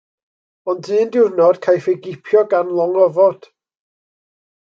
Ond un diwrnod caiff ei gipio gan long ofod.